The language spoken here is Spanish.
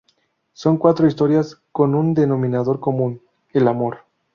Son cuatro historias con un denominador común: el amor.